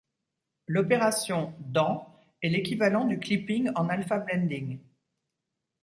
L'opération 'dans' est l'équivalent du clipping en alpha blending.